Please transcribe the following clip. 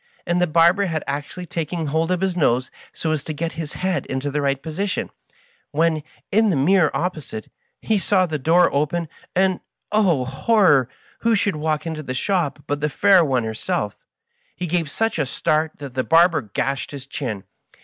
and the barber had actually taken hold of his nose so as to get his head into the right po sition, when, in the mirror opposite, he saw the door open, and— oh, horror !— ^who should walk into the shop but the fair one herself I He gave such a start that the barber gashed his chin.